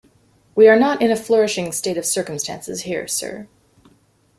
We are not in a flourishing state of circumstances here, sir.